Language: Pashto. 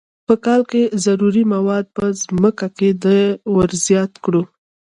په کال کې ضروري مواد په ځمکه کې ور زیات کړو.